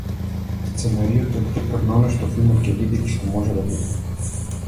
Сценариото е детектор на она што филмот ќе биде или што може да биде.